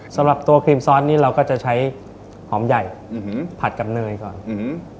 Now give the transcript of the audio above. สำหรับตัวครีมซอสนี้เราก็จะใช้หอมใหญ่อืมผัดกับเนยก่อนอืม